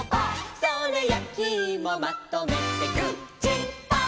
「それやきいもまとめてグーチーパー」